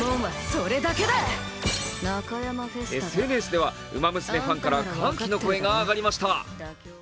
ＳＮＳではウマ娘ファンから歓喜の声が上がりました。